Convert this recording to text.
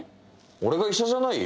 俺が医者じゃない？